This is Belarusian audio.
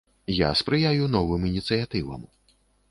Я спрыяю новым ініцыятывам.